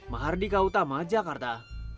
mahardika utama jakarta